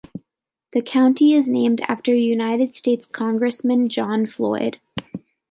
The county is named after United States Congressman John Floyd.